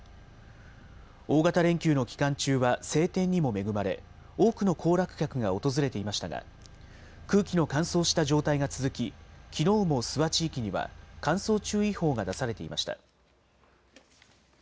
大型連休の期間中は晴天にも恵まれ、多くの行楽客が訪れていましたが、空気の乾燥した状態が続き、きのうも諏訪地域には乾燥注意報が出されていました。